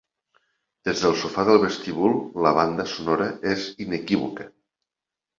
Des del sofà del vestíbul la banda sonora és inequívoca.